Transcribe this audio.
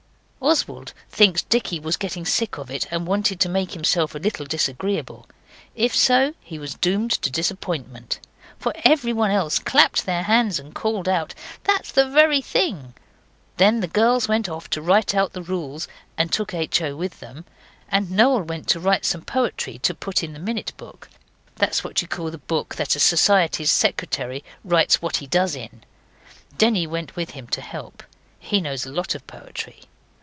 Oswald thinks Dicky was getting sick of it and wanted to make himself a little disagreeable. If so, he was doomed to disappointment. For everyone else clapped hands and called out, 'That's the very thing!' Then the girls went off to write out the rules, and took H. O. with them, and Noel went to write some poetry to put in the minute book. That's what you call the book that a society's secretary writes what it does in. Denny went with him to help. He knows a lot of poetry.